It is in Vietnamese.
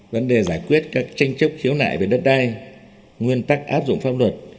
vấn đề giải quyết các tranh chấp khiếu nại về đất đai nguyên tắc áp dụng pháp luật